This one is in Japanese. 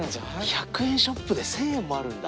１００円ショップで１０００円もあるんだ。